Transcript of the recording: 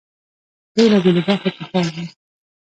په بېلابېلو برخو کې فعال وو.